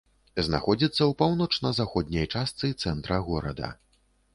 Знаходзіцца ў паўночна-заходняй частцы цэнтра горада.